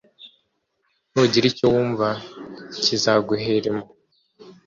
Nugira icyo wumva, kizaguheremo;